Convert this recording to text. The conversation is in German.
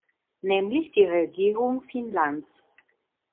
Nämlich die Regierung Finnlands.